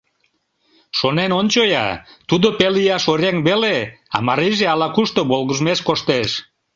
Шонен ончо-я: тудо пел ияш оръеҥ веле, а марийже ала-кушто волгыжмеш коштеш?!